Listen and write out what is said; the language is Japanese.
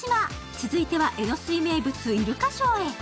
続いては、えのすい名物イルカショーへ。